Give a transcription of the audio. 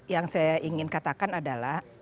yang saya ingin katakan adalah